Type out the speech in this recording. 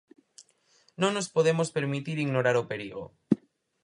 Non nos podemos permitir ignorar o perigo.